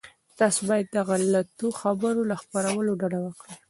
تاسي باید د غلطو خبرونو له خپرولو ډډه وکړئ.